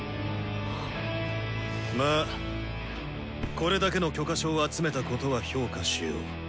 まあこれだけの許可書を集めたことは評価しよう。